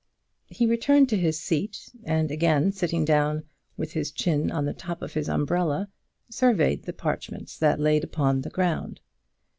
He returned to his seat, and again sitting down with his chin on the top of his umbrella, surveyed the parchments that lay upon the ground.